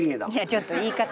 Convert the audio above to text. ちょっと言い方。